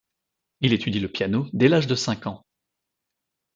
Il étudie le piano dès l'âge de cinq ans.